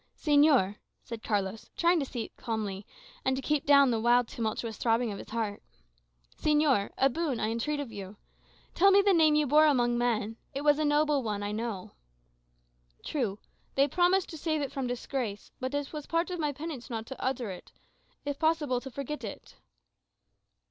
"Señor," said Carlos, trying to speak calmly, and to keep down the wild tumultuous throbbing of his heart "señor, a boon, I entreat of you. Tell me the name you bore amongst men. It was a noble one, I know." "True. They promised to save it from disgrace. But it was part of my penance not to utter it; if possible, to forget it."